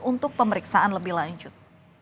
untuk pemeriksaan lebih lanjut